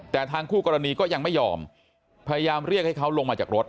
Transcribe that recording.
แต่ทางคู่กรณีก็ยังไม่ยอมพยายามเรียกให้เขาลงมาจากรถ